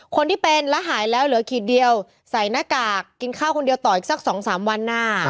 คนที่เป็นแล้วหายแล้วเหลือขีดเดียวใส่หน้ากากกินข้าวคนเดียวต่ออีกสัก๒๓วันหน้า